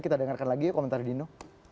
kita dengarkan lagi ya komentar dino